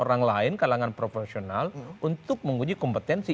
orang lain kalangan profesional untuk menguji kompetensi